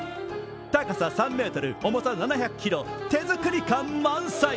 高さ３ｍ、重さ７００ｋｇ、手作り感満載。